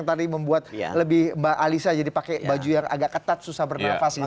tadi membuat lebih mbak alisa jadi pakai baju yang agak ketat susah bernafas